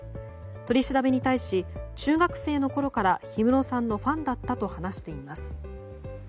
取り調べに対しに中学生のころから氷室さんのファンだったと話しています。